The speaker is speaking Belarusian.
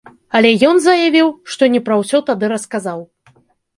Але ён заявіў, што не пра ўсё тады расказаў.